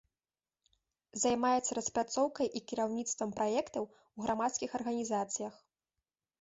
Займаецца распрацоўкай і кіраўніцтвам праектаў у грамадскіх арганізацыях.